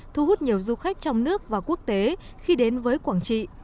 thu hút nhiều du khách trong nước và quốc tế khi đến với quảng trị